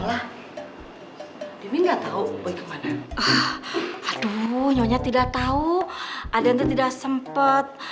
ada yang tuh tidak sempet